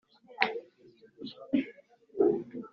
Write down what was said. kandi ko zakoze ubwicanyi